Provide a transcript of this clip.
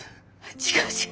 違う違う！